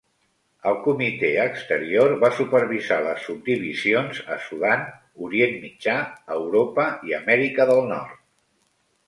El comitè exterior va supervisar les subdivisions a Sudan, Orient Mitjà, Europa i Amèrica del Nord.